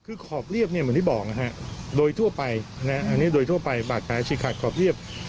คือขอบเรียบเนี่ยเหมือนที่บอกนะฮะโดยทั่วไปอันนี้โดยทั่วไปบาดแผลฉีกขาดขอบเรียบ